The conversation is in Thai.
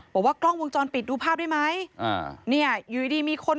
เปิดไม่อยู่หรอก